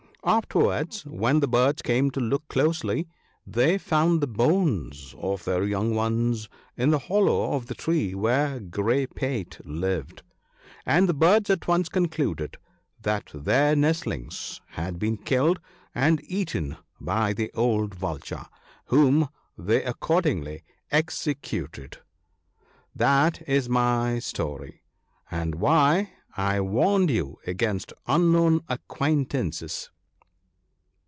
Afterwards, when the birds came to look closely, they found the bones of their young ones in the hollow of the tree where Grey pate lived ; and the birds at once concluded that their nestlings had been killed and eaten by the old Vulture, whom they accord ingly executed. That is my story, and why I warned you against unknown acquaintances.'